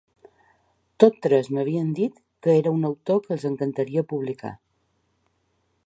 Tots tres m’havien dit que era un autor que els encantaria publicar.